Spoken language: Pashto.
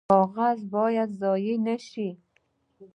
کاغذ باید ضایع نشي